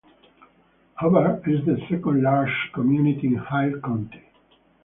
Hubbard is the second largest community in Hill County.